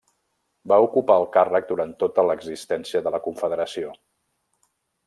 Va ocupar el càrrec durant tota l'existència de la Confederació.